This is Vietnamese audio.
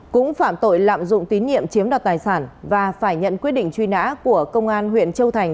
cũng phạm tội lạm dụng tín nhiệm chiếm đoạt tài sản và phải nhận quyết định truy nã của công an huyện châu thành